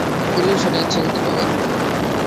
দিলেও সেটা ইচ্ছাকৃতভাবে না।